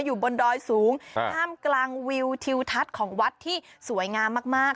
อยู่บนดอยสูงท่ามกลางวิวทิวทัศน์ของวัดที่สวยงามมากมาก